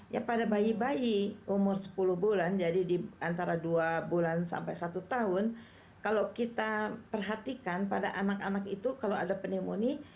ya pada bayi bayi umur sepuluh bulan jadi di antara dua bulan sampai satu tahun kalau kita perhatikan pada anak anak itu kalau ada pneumonia